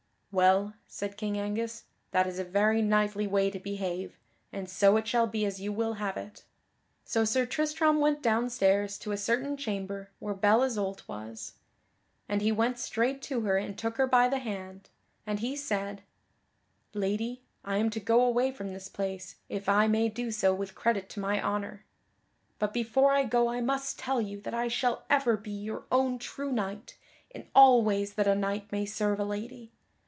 "Well," said King Angus, "that is a very knightly way to behave, and so it shall be as you will have it." So Sir Tristram went down stairs to a certain chamber where Belle Isoult was. And he went straight to her and took her by the hand; and he said: "Lady, I am to go away from this place, if I may do so with credit to my honor; but before I go I must tell you that I shall ever be your own true knight in all ways that a knight may serve a lady.